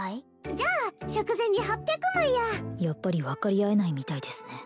じゃあ食前に８００枚ややっぱり分かり合えないみたいですね